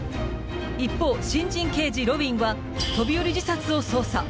一方、新人刑事・路敏は飛び降り自殺を捜査。